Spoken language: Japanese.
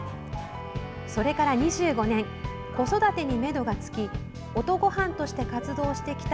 それから２５年子育てにめどがつき音ごはんとして活動してきた